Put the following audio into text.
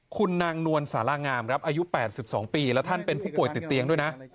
คุณนางนวลสารางามครับอายุ๘๒ปีแล้วท่านเป็นผู้ป่วยติดเตียงด้วยนะ